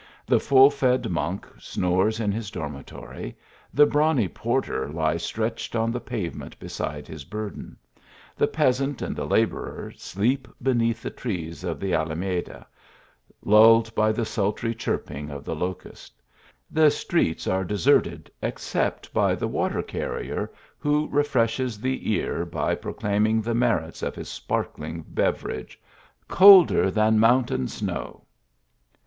The full fed monk snores in his dormitory. The brawny por ter lies stretched on the pavement beside his bur den. The peasant and the labourer sleep beneath the trees of the Ahmeda, lulled by the sultry chirp ing of the locust. The streets are deserted except by the water carrier, who refreshes the ear by pro claiming the merits of his sparkling beverage, " Colder than mountain snow."